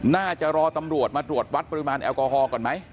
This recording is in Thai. น่าจะรอตำรวจมาตรวจวัดปริมาณแอลกอฮอลก่อนไหม